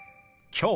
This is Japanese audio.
「きょう」。